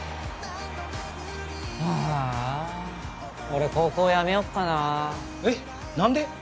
俺高校やめよっかなえっ何で？